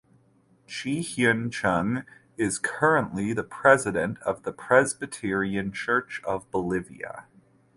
Chi Hyun Chung is currently the president of the Presbyterian Church in Bolivia.